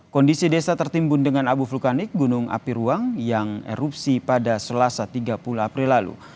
kondisi desa tertimbun dengan abu vulkanik gunung api ruang yang erupsi pada selasa tiga puluh april lalu